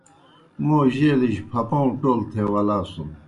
موں جیلِجیْ پھپَؤں ٹول تھے ولاسُن۔